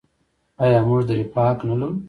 آیا موږ د رفاه حق نلرو؟